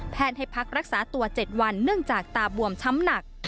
ให้พักรักษาตัว๗วันเนื่องจากตาบวมช้ำหนัก